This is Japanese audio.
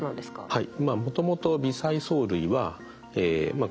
はい。